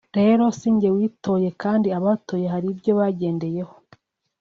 rero sinjye witoye kandi abatoye hari ibyo bagendeyeho